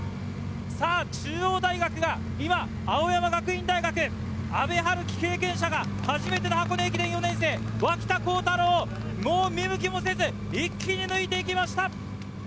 さあ、中央大学が今、青山学院大学、阿部陽樹、経験者が初めての箱根駅伝、４年生、脇田幸太朗、もう見向きもせず、一気に抜いていきました。